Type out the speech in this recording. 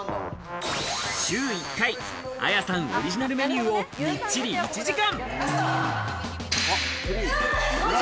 週１回、ＡＹＡさんオリジナルメニューをみっちり１時間。